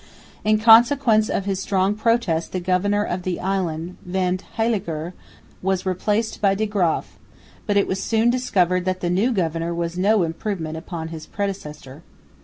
In consequence of his strong protest the governor of the island, Van Heyliger, was replaced by De Graeff, but it was soon discovered that the new governor was no improvement upon his predecessor.